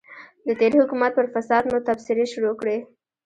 د تېر حکومت پر فساد مو تبصرې شروع کړې.